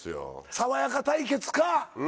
爽やか対決か。